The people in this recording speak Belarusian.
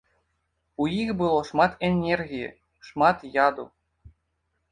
У іх было шмат энергіі, шмат яду.